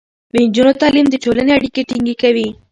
د نجونو تعليم د ټولنې اړيکې ټينګې کوي.